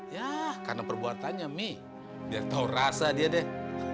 ya karena perbuatannya mi biar tau rasa dia deh